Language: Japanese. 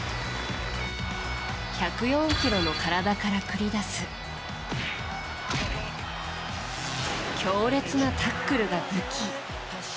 １０４ｋｇの体から繰り出す強烈なタックルが武器。